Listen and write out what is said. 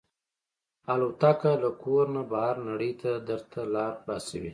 الوتکه له کور نه بهر نړۍ ته درته لاره خلاصوي.